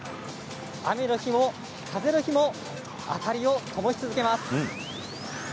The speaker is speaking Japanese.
雨の日も風の日も明かりをともし続けます。